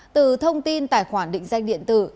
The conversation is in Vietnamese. từ thông tin tài khoản định danh điện tử